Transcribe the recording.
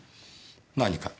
何か？